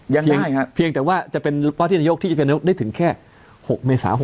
ยังได้ครับเพียงแต่ว่าจะเป็นวาดที่นายกที่จะเป็นวาดที่นายกได้ถึงแค่๖เมษา๖๘